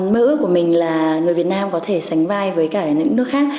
mơ ước của mình là người việt nam có thể sánh vai với cả những nước khác